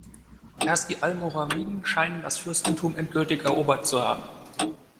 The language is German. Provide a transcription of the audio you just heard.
Erst die Almoraviden scheinen das Fürstentum endgültig erobert zu haben.